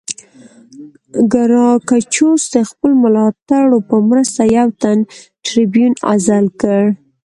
ګراکچوس د خپلو ملاتړو په مرسته یو تن ټربیون عزل کړ